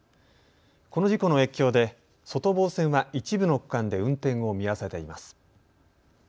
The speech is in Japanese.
この事故の影響で外房線は一部の区間で運転を見合わせています。